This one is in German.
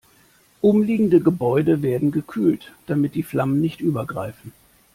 Umliegende Gebäude werden gekühlt, damit die Flammen nicht übergreifen.